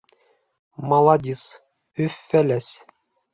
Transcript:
Маладис, Өф-Фәләс!